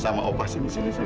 kamu berhasil nemuin vino ya